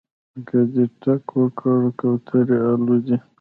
که دې ټک وکړ کوترې الوځي